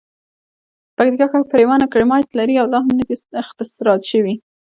پکتیکا ښه پریمانه کرومایټ لري او لا هم ندي را اختسراج شوي.